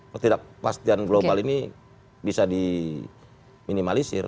ketidakpastian global ini bisa di minimalisir